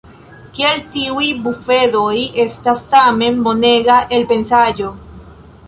Kiel tiuj bufedoj estas tamen bonega elpensaĵo!